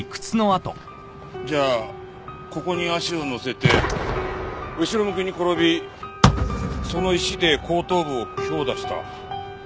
じゃあここに足を乗せて後ろ向きに転びその石で後頭部を強打した。